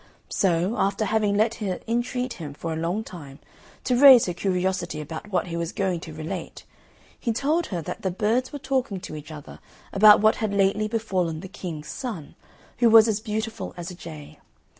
So, after having let her entreat him for a long time, to raise her curiosity about what he was going to relate, he told her that the birds were talking to each other about what had lately befallen the King's son, who was as beautiful as a jay.